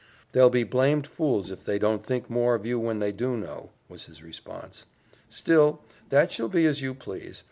"They'll be blamed fools if they don't think more of you when they do know," was his response. "Still, that shall be as you please.